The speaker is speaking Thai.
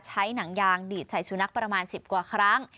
หนังยางดีดใส่สุนัขประมาณ๑๐กว่าครั้ง